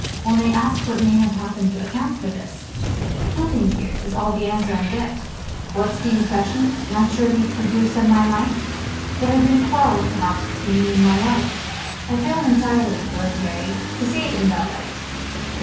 When I ask what may have happened to account for this 'Nothing, dear,' is all the answer I get. What's the impression naturally produced on my mind? There has been a quarrel perhaps between you and my wife." "I fail entirely, Lord Harry, to see it in that light."